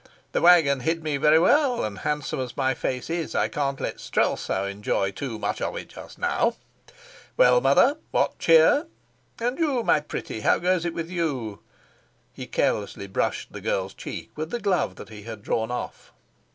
"The wagon hid me very well; and handsome as my face is, I can't let Strelsau enjoy too much of it just now. Well, mother, what cheer? And you, my pretty, how goes it with you?" He carelessly brushed the girl's cheek with the glove that he had drawn off.